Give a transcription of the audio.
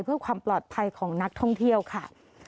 เพื่อความปลอดภัยของนักท่องเที่ยวค่ะ